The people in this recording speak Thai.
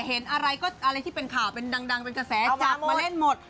เห็นอะไรที่เป็นข่าวดังเป็นกระแสฝามาเล่นหมด